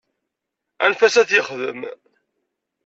Anef-as ad t-yexdem.